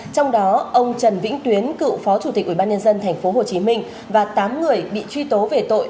trong đó ông trần vĩnh tuyến cựu phó chủ tịch ủy ban nhân dân tp hcm và tám người bị truy tố về tội